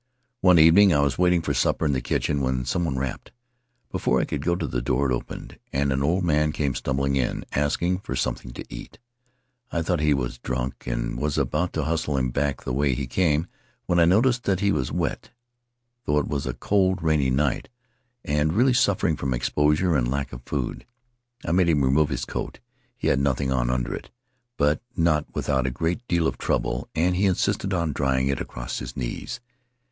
"One evening I was waiting for supper in the kitchen when some one rapped. Before I could go to the door, it opened, and an old man came stumbling in, asking for something to eat. I thought he was drunk and was about to hustle him back the way he came when I noticed that he was wet through — it was a cold, rainy night — and really suffering from exposure and lack of food. I made him remove his coat — he had nothing on under it — but not without a great deal of trouble, and he insisted on drying it across his knees.